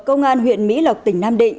công an huyện mỹ lộc tỉnh nam định